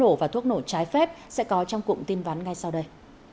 pháo nổ và thuốc nổ trái phép sẽ có trong cụm tin vắn ngay sau đây